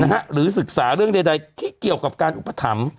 หรือศึกษาเรื่องใดที่เกี่ยวกับการอุปถัมภ์